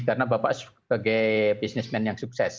karena bapak sebagai bisnismen yang sukses